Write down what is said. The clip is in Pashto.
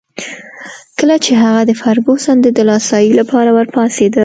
کله چي هغه د فرګوسن د دلاسايي لپاره ورپاڅېدل.